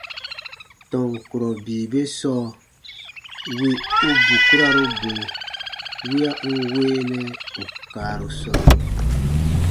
Tɔn kurɔ bii be sɔɔ wì u bukuraru bo wiya n weenɛ ù kaaru sɔbe.